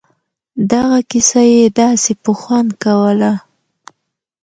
دغه کيسه يې داسې په خوند کوله.